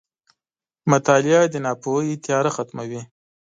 • مطالعه د ناپوهۍ تیاره ختموي.